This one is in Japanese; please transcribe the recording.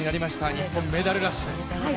日本、メダルラッシュ。